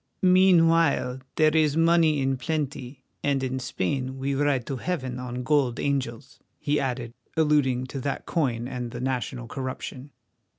"Meanwhile, there is money in plenty, and in Spain we ride to heaven on gold angels," he added, alluding to that coin and the national corruption.